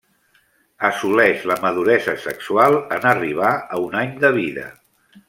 Assoleix la maduresa sexual en arribar a un any de vida.